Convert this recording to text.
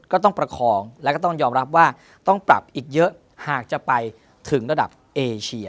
ก็ต้องประคองแล้วก็ต้องยอมรับว่าต้องปรับอีกเยอะหากจะไปถึงระดับเอเชีย